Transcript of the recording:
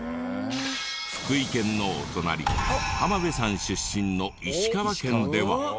福井県のお隣浜辺さん出身の石川県では。